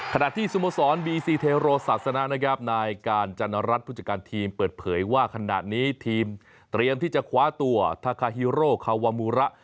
ขณะที่สโมสรบีซีเทโรศาสนะนะครับนายการจันรัฐผู้จัดการทีมเปิดเผยว่าขณะนี้ทีมเตรียมที่จะคว้าตัวทาคาฮีโรคาวามูระ